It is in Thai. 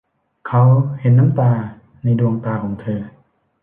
เขาเห็นน้ำตาในดวงตาของเธอ